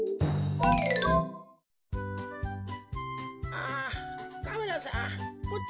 あカメラさんこっちじゃ。